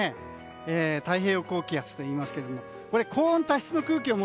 太平洋高気圧といいますが高温多湿の空気です。